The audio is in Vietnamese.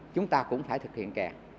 chúng ta cũng phải thực hiện kè